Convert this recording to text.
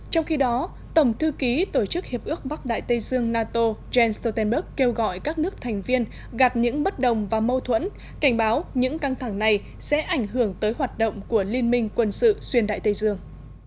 trong khi đó tổng thư ký tổ chức hiệp ước bắc đại tây dương nato jens stoltenberg kêu gọi các nước thành viên gạt những bất đồng và mâu thuẫn cảnh báo những căng thẳng này sẽ ảnh hưởng tới hoạt động của liên minh quân sự xuyên đại tây dương